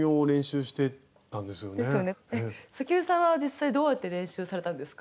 関根さんは実際どうやって練習されたんですか？